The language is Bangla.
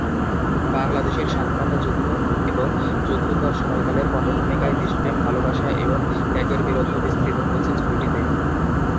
বাংলাদেশের স্বাধীনতা যুদ্ধ এবং যুদ্ধোত্তর সময়কালের পটভূমিকায় দেশপ্রেম, ভালোবাসা এবং ত্যাগের বীরত্ব বিস্তৃত হয়েছে ছবিটিতে।